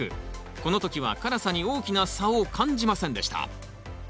この時は辛さに大きな差を感じませんでした。